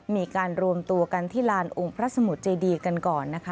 มีการรวมตัวกันที่ลานองค์พระสมุทรเจดีกันก่อนนะคะ